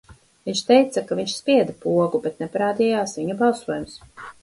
Viņš teica, ka viņš spieda pogu, bet neparādījās viņa balsojums.